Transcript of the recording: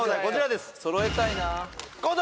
こちらです